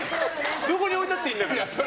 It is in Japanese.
どこに置いたっていいんだから。